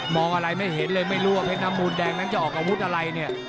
อะไรไม่เห็นเลยไม่รู้ว่าเพชรน้ำมูลแดงนั้นจะออกอาวุธอะไรเนี่ย